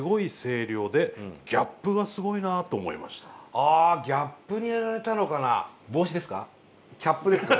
ああギャップにやられたのかな？